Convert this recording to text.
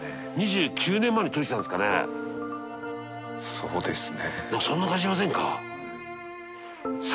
そうですね。